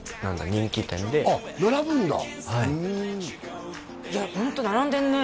人気店であっ並ぶんだはいいやホント並んでるね